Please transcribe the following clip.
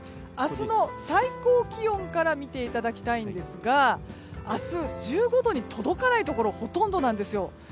明日の最高気温から見ていただきたいんですが明日、１５度に届かないところがほとんどなんですよ。